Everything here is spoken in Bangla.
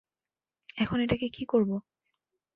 এখন এটাকে কী করব?